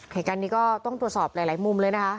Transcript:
เหตุการณ์นี้ก็ต้องตรวจสอบหลายมุมเลยนะคะ